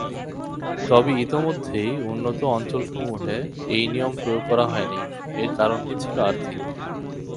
তবে ইতোমধ্যেই উন্নত অঞ্চলসমূহে এই নিয়ম প্রয়োগ করা হয়নি, এর কারণটি ছিল আর্থিক।